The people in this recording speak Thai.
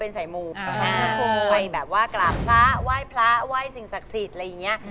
ใส่หมูไปแบบว่ากราบพระไหว้พระไหว้สิ่งศักดิ์สิทธิ์อะไรอย่างนี้